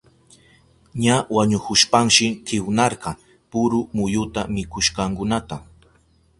Ña wañuhushpanshi kiwnarka puru muyuta mikushkankunata.